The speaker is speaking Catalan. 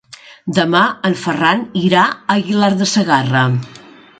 Demà en Ferran irà a Aguilar de Segarra.